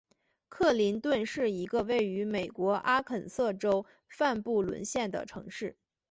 克林顿是一个位于美国阿肯色州范布伦县的城市。